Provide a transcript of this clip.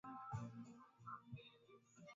itaendelea na ikiwa kwamba kesi hii itasitishwa